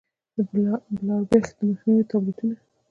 د بلاربښت د مخنيوي ټابليټونه